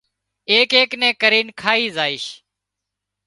ايڪ ايڪ نين ڪرين کائي زائيش